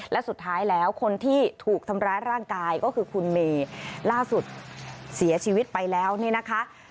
และสุดท้ายแล้วคนที่ถูกทำร้ายร่างกายก็คือคุณเมย์ล่าสุดเสียชีวิตไปแล้วเนี่ยนะคะ